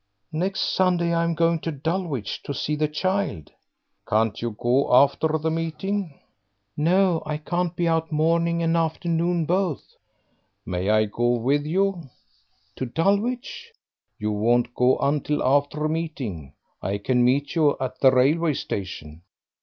"Next Sunday I'm going to Dulwich to see the child." "Can't you go after meeting?" "No, I can't be out morning and afternoon both." "May I go with you?" "To Dulwich!" "You won't go until after meeting; I can meet you at the railway station."